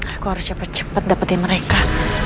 aku harus cepet cepet dapetin mereka